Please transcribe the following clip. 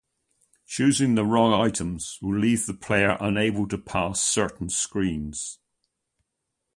Choosing the wrong items will leave the player unable to pass certain screens.